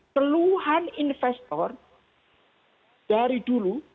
keluhan investor dari dulu